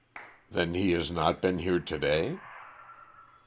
"Then he has not been here to day?"